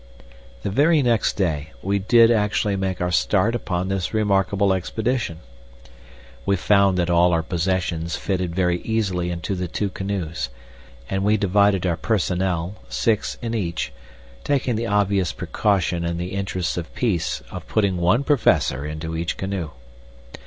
The very next day we did actually make our start upon this remarkable expedition. We found that all our possessions fitted very easily into the two canoes, and we divided our personnel, six in each, taking the obvious precaution in the interests of peace of putting one Professor into each canoe.